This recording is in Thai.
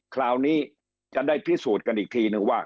คราวนี้จะได้พิสูจน์กันอีกทีนึงว่า